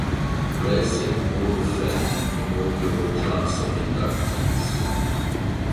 Racing Hall of Fame inaugural class of inductees.